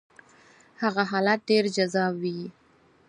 هغه حالت ډېر جذاب وي.